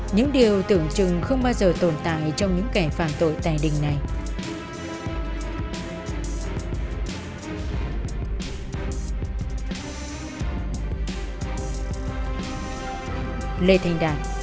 những điều tưởng chừng không bao giờ tồn tại trong những kẻ phạm tội tài đình này